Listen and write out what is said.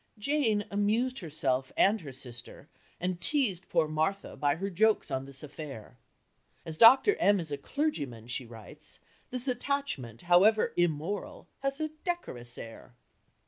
Jane amused herself and her sister and teased poor Martha by her jokes on this affair. "As Dr. M. is a clergyman," she writes, "this attachment, however immoral, has a decorous air."